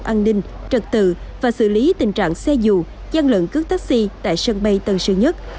an ninh trật tự và xử lý tình trạng xe dù gian lận cướp taxi tại sân bay tân sơn nhất